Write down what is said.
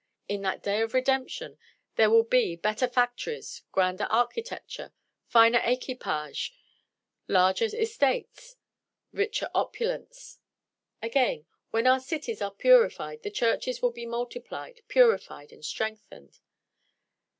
In that day of redemption there will be better factories, grander architecture, finer equipages, larger estates, richer opulence. Again: when our cities are purified the churches will be multiplied, purified, and strengthened.